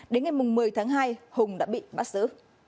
đến ngày một mươi tháng hai hùng đã bị bắt giữ